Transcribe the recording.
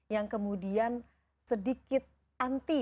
yang kemudian sedikit anti